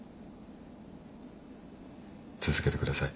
続けてください。